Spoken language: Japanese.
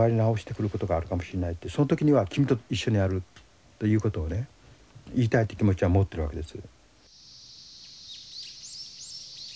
「その時には君と一緒にある」ということをね言いたいって気持ちは持ってるわけです。